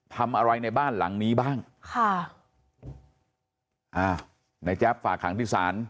ทำอะไรในบ้านหลังนี้บ้างค่ะอ่าในแจ๊บฝากขังที่ศาล